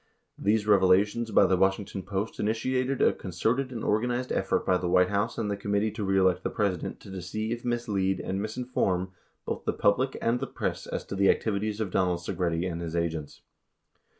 These revelations by the Washington Post initiated a concerted and organized effort by the White House and the Committee To Re Elect the President to deceive, mislead, and misinform both the public and the press as to the activities of Donald Segretti and his agents.